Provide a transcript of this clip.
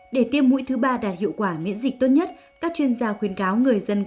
để tiêm mũi thứ ba đạt hiệu quả miễn dịch tốt nhất các chuyên gia khuyến cáo người dân